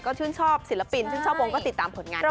ก็ชื่นชอบศิลปินชื่นชอบวงก็ติดตามผลงานได้